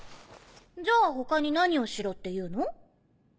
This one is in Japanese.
じゃあ他に何をしろっていうの？